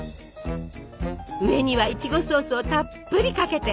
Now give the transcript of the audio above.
上にはイチゴソースをたっぷりかけて。